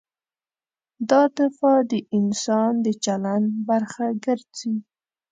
دا دفاع د انسان د چلند برخه ګرځي.